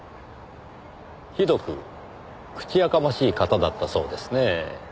ひどく口やかましい方だったそうですね。